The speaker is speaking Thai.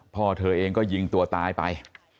พ่อเธอเองก็ยิงตัวตายไป